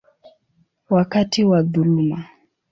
wakati wa dhuluma.